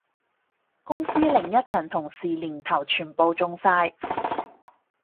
公司另一層同事年頭全部中晒